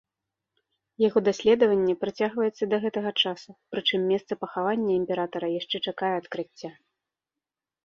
Яго даследаванне працягваецца да гэтага часу, прычым месца пахавання імператара яшчэ чакае адкрыцця.